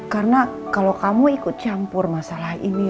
karena kalau kamu ikut campur masalah ini